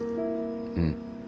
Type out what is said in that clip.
うん。